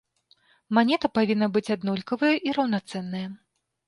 Манета павінна быць аднолькавая і раўнацэнная.